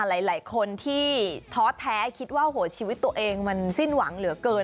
หลายคนที่ท้อแท้คิดว่าหัวชีวิตตัวเองมันสิ้นหวังเหลือเกิน